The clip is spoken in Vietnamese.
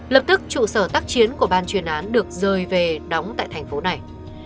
lập tức trụ sở tác chiến của ban chuyên án được rời về đóng tại thành phố này